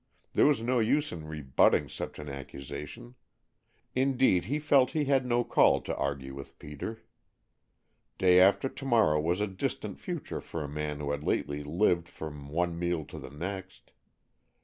There was no use in rebutting such an accusation. Indeed, he felt he had no call to argue with Peter. Day after to morrow was a distant future for a man who had lately lived from one meal to the next.